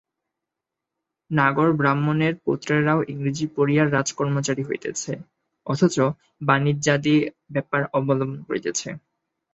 নাগর ব্রাহ্মণের পুত্রেরাও ইংরেজী পড়িয়া রাজকর্মচারী হইতেছে, অথবা বাণিজ্যাদি ব্যাপার অবলম্বন করিতেছে।